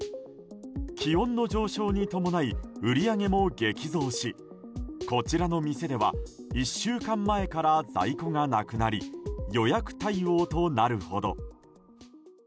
気温の上昇に伴い売り上げも激増しこちらの店では１週間前から在庫がなくなり予約対応となるほど。